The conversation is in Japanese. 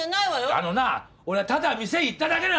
あのな俺はただ店行っただけなんだよ！